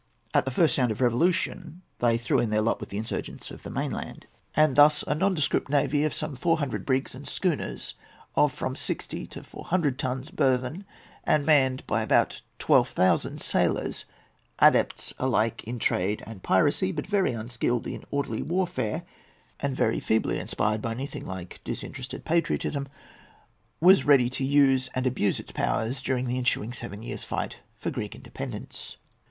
At the first sound of revolution they threw in their lot with the insurgents of the mainland, and thus a nondescript navy of some four hundred brigs and schooners, of from sixty to four hundred tons' burthen, and manned by about twelve thousand sailors, adepts alike in trade and piracy, but very unskilled in orderly warfare, and very feebly inspired by anything like disinterested patriotism, was ready to use and abuse its powers during the ensuing seven years' fight for Greek independence.